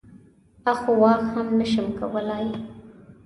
اخ او واخ هم نه شم کولای.